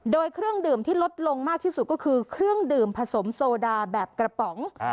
โดยเครื่องดื่มที่ลดลงมากที่สุดก็คือเครื่องดื่มผสมโซดาแบบกระป๋อง